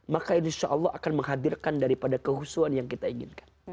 maka insya allah akan menghadirkan daripada kehusuan yang kita inginkan